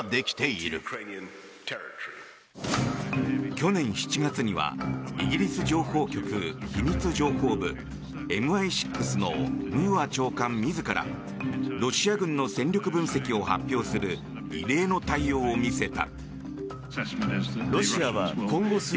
去年７月にはイギリス情報局秘密情報部・ＭＩ６のムーア長官自らロシア軍の戦力分析を発表する異例の対応を見せた。